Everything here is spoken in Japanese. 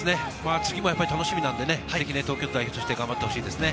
次も楽しみなので、ぜひ東京代表として頑張ってほしいですね。